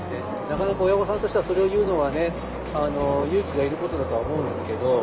なかなか親御さんとしてはそれを言うのは勇気がいることだとは思うんですけど。